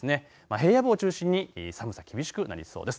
平野部を中心に寒さ厳しくなりそうです。